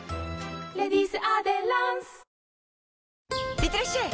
いってらっしゃい！